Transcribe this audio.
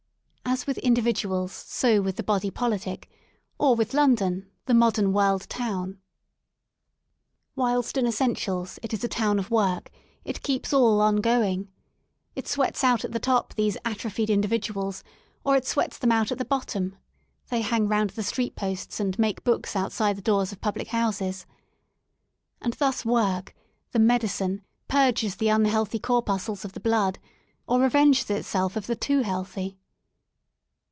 As with individuals so with the Body Politic, or with London, the modern World Town. Whilst, in essentials, it is a Town of Work it keeps all on going; it sweats out at the top these atrophied individuals, or it sweats them out at the bottom (they hang round the street posts and make books outside the doors of public houses); and thus Work, the medi cine, purges the unhealthy corpuscles of the blood or revenges itself of the too healthy.